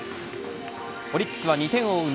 オリックスは２点を追う